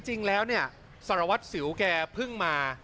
จริงแล้วเนี่ยสารวัตรสิวแกเพิ่งมา